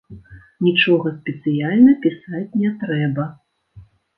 Нічога спецыяльна пісаць не трэба.